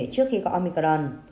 trước khi có omicron